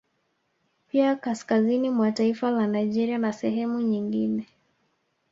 Pia kaskazini mwa taifa la Nigeria na sehemu nyigine